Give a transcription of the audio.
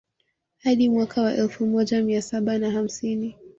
Hadi mwaka wa elfu moja mia saba na hamsini